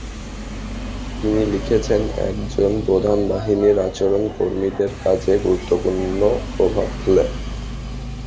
তিনি লিখেছেন, একজন প্রধান নির্বাহীর আচরণ কর্মীদের কাজে গুরুত্বপূর্ণ প্রভাব ফেলে।